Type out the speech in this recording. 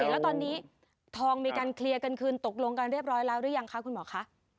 แล้วตอนนี้ทองมีการเคลียร์กันคืนตกลงกันเรียบร้อยแล้วหรือยังคะคุณหมอคะ